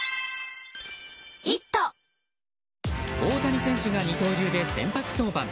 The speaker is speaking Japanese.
大谷選手が二刀流で先発登板。